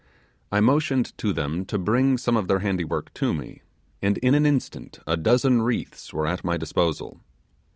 I motioned to them to bring some of their handywork to me; and in an instant a dozen wreaths were at my disposal.